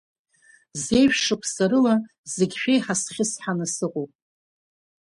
Зежә шықәса рыла зегь шәеиҳа схьысҳаны сыҟоуп.